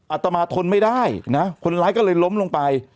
อาตมาทนไม่ได้นะคนร้ายก็เลยล้มลงไป